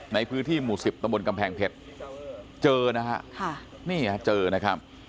ในพื้นที่หมู่๑๐ตำบลกำแพงเพชรเจอนะฮะค่ะนี่ฮะเจอนะครับ